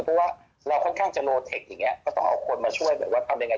เพราะว่าเราค่อนข้างจะโลเทคอย่างนี้ก็ต้องเอาคนมาช่วยแบบว่าทำยังไง